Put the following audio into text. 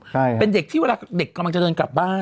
ใช่เป็นเด็กที่เวลาเด็กกำลังจะเดินกลับบ้าน